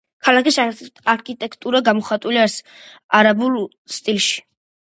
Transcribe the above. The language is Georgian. ქალაქის არქიტექტურა გამოხატულია არაბულ სტილში.